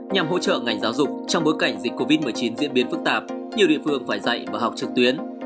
nhằm hỗ trợ ngành giáo dục trong bối cảnh dịch covid một mươi chín diễn biến phức tạp nhiều địa phương phải dạy và học trực tuyến